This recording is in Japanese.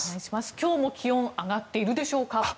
今日も気温上がっているでしょうか。